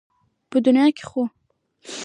په دنيا کې خو